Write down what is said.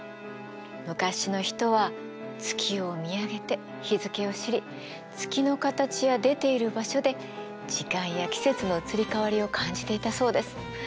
昔の人は月を見上げて日付を知り月の形や出ている場所で時間や季節の移り変わりを感じていたそうです。